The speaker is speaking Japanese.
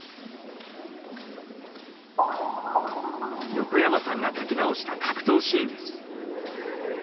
横山さんが描き直した格闘シーンです。